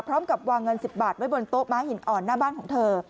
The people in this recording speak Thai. พร้อมกับวางเงิน๑๐บาทไว้บนโต๊ะม้าหินอ่อนหน้าบ้านของเธอ